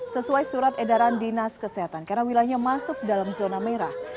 sesuai surat edaran dinas kesehatan karena wilayahnya masuk dalam zona merah